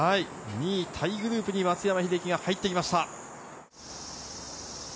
２位タイグループに松山英樹が入ってきました。